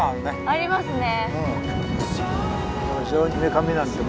ありますね。